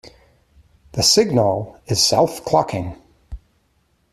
The signal is self-clocking.